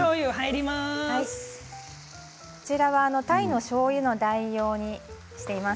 こちらはタイのしょうゆの代用にしています